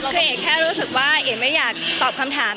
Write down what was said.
พี่เอกแค่รู้สึกว่าเอ๋ไม่อยากตอบคำถาม